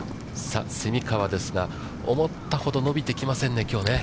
さあ、蝉川ですが、思ったほど伸びてきませんね、きょうね。